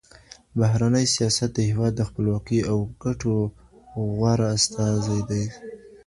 بهرنی سیاست د هیواد د خپلواکۍ او ګټو غوره استازی دی.